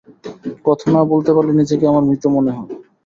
কথা না বলতে পারলে, নিজেকে আমার মৃত মনে হয়।